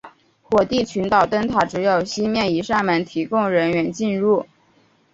火地群岛灯塔只有西面一扇门提供人员进入。